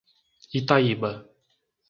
Itaíba